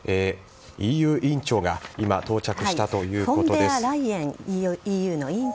ＥＵ委員長が今、到着したということです。